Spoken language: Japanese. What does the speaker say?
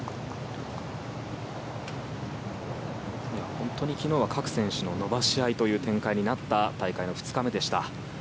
本当に昨日は各選手の伸ばし合いという展開になった大会の２日目でした。